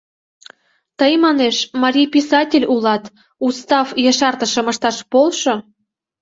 — Тый, манеш, марий писатель улат, устав ешартышым ышташ полшо.